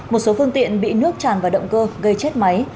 một số phương tiện bị nước tràn vào động cơ gây chết máy